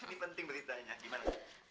ini penting beritanya gimana